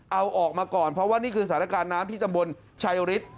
เอาออกมาก่อนเพราะว่านี่คือสถานการณ์น้ำที่ตำบลชัยฤทธิ์